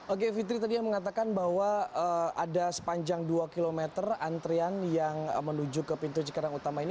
oke fitri tadi yang mengatakan bahwa ada sepanjang dua km antrian yang menuju ke pintu cikarang utama ini